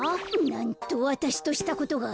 なんとわたしとしたことが。